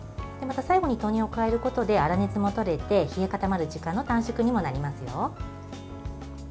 最後に豆乳を加えることで粗熱もとれて冷え固まる時間の短縮にもなりますよ。